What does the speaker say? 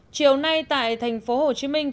chiều nay tại tp hcm